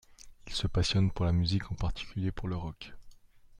Ils se passionnent pour la musique, en particulier pour le rock.